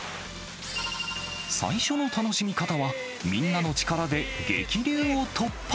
最初の楽しみ方は、みんなの力で激流を突破。